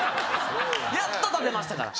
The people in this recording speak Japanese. やっと立てましたから。